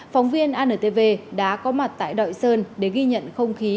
phóng viên antv đã có mặt tại đội sơn để ghi nhận không khí